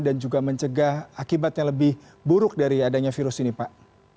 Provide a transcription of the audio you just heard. dan juga mencegah akibat yang lebih buruk dari adanya virus ini pak